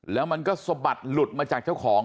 แล้วมันก็สะบัดหลุดมาจากเจ้าของ